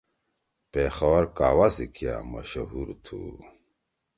پیخور قہوہ سی کیا مشہور تُھو۔